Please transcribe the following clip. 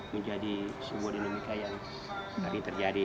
menjadi sebuah dinamika yang tadi terjadi